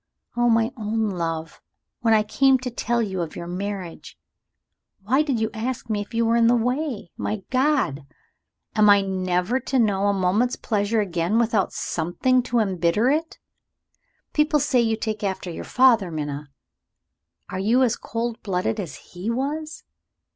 Oh, my own love! when I came to tell you of your marriage, why did you ask me if you were in the way? My God! am I never to know a moment's pleasure again without something to embitter it? People say you take after your father, Minna. Are you as cold blooded as he was?